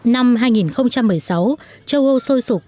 năm hai nghìn một mươi sáu châu âu sôi sụp